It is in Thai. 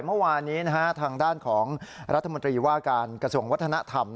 เมื่อวานนี้ทางด้านของรัฐมนตรีว่าการกระทรวงวัฒนธรรม